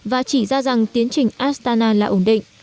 và chỉ ra rằng tiến trình astana là ổn định